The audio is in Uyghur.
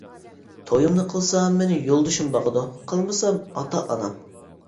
تويۇمنى قىلسام مېنى يولدىشىم باقىدۇ، قىلمىسام ئاتا ئانام!